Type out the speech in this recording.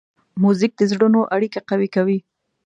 موزیک د زړونو اړیکه قوي کوي.